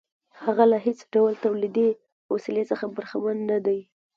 هغه له هېڅ ډول تولیدي وسیلې څخه برخمن نه دی